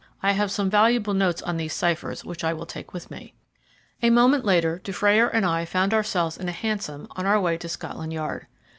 I have some valuable notes on these ciphers which I will take with me." A moment later Dufrayer and I found ourselves in a hansom on our way to Scotland Yard.